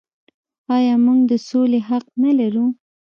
آیا موږ د سولې حق نلرو؟